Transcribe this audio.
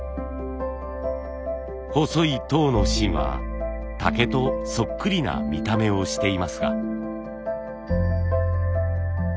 細い籐の芯は竹とそっくりな見た目をしていますが。